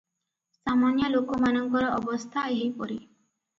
ସାମାନ୍ୟ ଲୋକମାନଙ୍କର ଅବସ୍ଥା ଏହିପରି ।